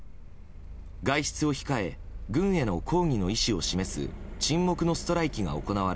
外出を控え、軍への抗議の意思を示す沈黙のストライキが行われ